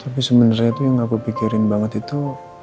tapi sebenernya tuh yang aku pikirin banget itu